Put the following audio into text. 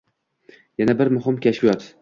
Yana bir muhim kashfiyot